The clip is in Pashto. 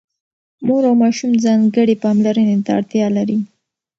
مور او ماشوم ځانګړې پاملرنې ته اړتيا لري.